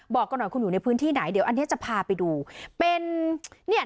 บอกกันหน่อยคุณอยู่ในพื้นที่ไหนเดี๋ยวอันเนี้ยจะพาไปดูเป็นเนี่ย